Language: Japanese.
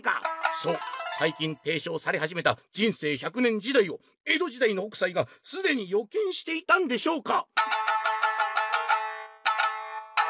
「そうさい近ていしょうされはじめた『人生１００年時代』を江戸時代の北斎がすでに予見していたんでしょうか⁉」。